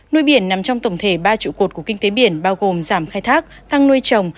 nuôi biển nằm trong tổng thể ba trụ cột của kinh tế biển bao gồm giảm khai thác tăng nuôi trồng